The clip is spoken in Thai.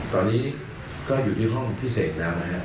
ตอนนี้ก็อยู่ที่ห้องพิเศษแล้วนะครับ